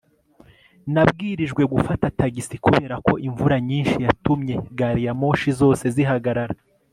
nabwirijwe gufata tagisi kubera ko imvura nyinshi yatumye gariyamoshi zose zihagarara